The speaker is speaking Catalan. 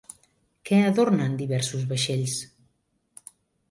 Què adornen diversos vaixells?